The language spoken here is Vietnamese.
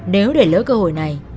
nếu để lỡ cơ hội này